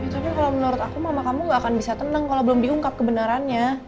tapi kalau menurut aku mama kamu gak akan bisa tenang kalau belum diungkap kebenarannya